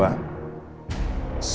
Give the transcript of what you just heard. saya ingin memperoleh anda